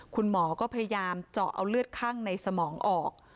คุณหมอก็พยายามเจาะเอาเลือดข้างในสมองออก